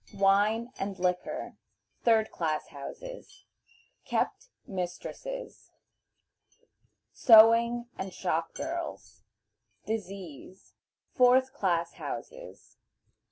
Wine and Liquor. Third Class Houses. Kept Mistresses. Sewing and Shop Girls. Disease. Fourth Class Houses.